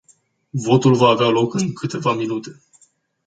Votul va avea loc în câteva minute.